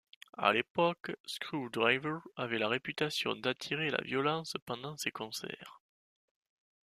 À l'époque, Skrewdriver avait la réputation d'attirer la violence pendant ses concerts.